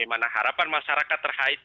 bagaimana harapan masyarakat terkait